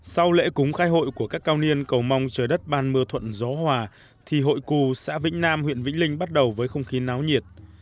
sau lễ cúng khai hội của các cao niên cầu mong trời đất ban mưa thuận gió hòa thì hội cù xã vĩnh nam huyện vĩnh linh bắt đầu với không khí náo nhiệt